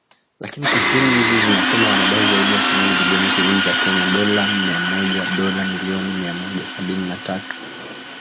Lakini kampuni hizo zinasema wanadai zaidi ya shilingi bilioni ishirini za Kenya dola mia moja Dola milioni Mia Moja sabini na tatu